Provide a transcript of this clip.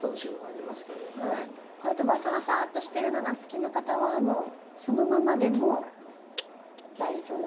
こうやってわさわさっとしてるのが好きな方はもうそのままでも大丈夫？